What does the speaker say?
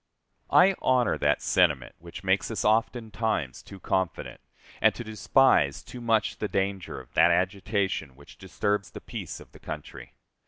I honor that sentiment which makes us oftentimes too confident, and to despise too much the danger of that agitation which disturbs the peace of the country.